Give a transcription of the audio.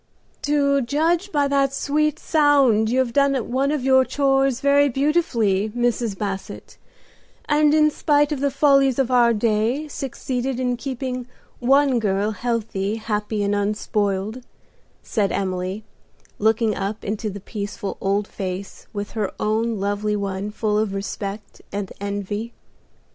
"To judge by that sweet sound you have done one of your 'chores' very beautifully, Mrs. Basset, and in spite of the follies of our day, succeeded in keeping one girl healthy, happy and unspoiled," said Emily, looking up into the peaceful old face with her own lovely one full of respect and envy.